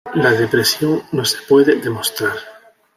La depresión no se puede demostrar.